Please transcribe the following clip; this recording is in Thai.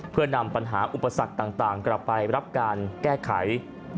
เพื่อนำปัญหาอุปสรรคต่างกลับไปรับการแก้ไข